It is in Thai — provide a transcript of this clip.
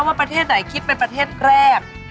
ว่าประเทศไหนคิดเป็นประเทศแรก